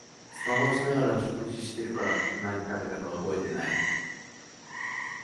スマホしながら食事してるから何食べたか覚えてない